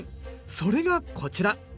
それがこちら！